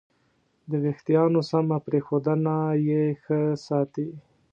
د وېښتیانو سمه پرېښودنه یې ښه ساتي.